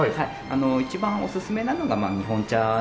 一番おすすめなのが日本茶なんです。